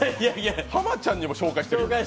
浜ちゃんにも紹介してる？